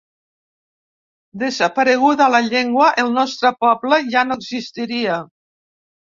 Desapareguda la llengua, el nostre poble ja no existiria.